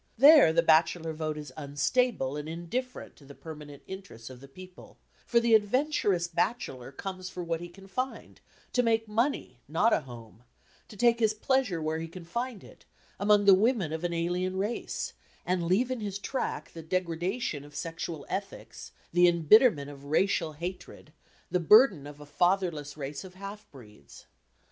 There the bachelor vote is unstable and indifferent to the permanent interests of the people, for the adventurous bachelor comes for what he can find, to make money, not a home; to take his pleasure where he can find it, among the women of an alien race, and leave in his track the degradation of sexual ethics, the embitterment of racial hatred, the burden of a fatherless race of half breeds.